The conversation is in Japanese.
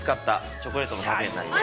チョコレートのパフェになります。